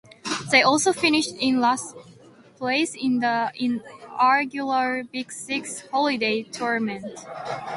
They also finished in last place in the inaugural Big Six Holiday Tournament.